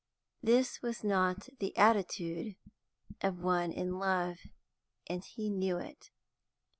This was not the attitude of one in love, and he knew it.